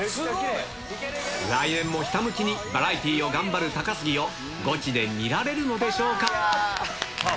来年もひたむきにバラエティーを頑張る高杉をゴチで見られるのでしょうか。